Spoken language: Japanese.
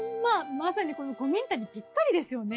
まさにこの古民家にぴったりですよね。